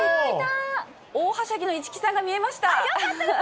大はしゃぎの市來さんが見えよかったです。